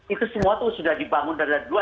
itu semua tuh sudah dibangun dari dua